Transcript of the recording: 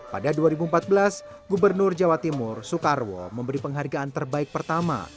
pada dua ribu empat belas gubernur jawa timur soekarwo memberi penghargaan terbaik pertama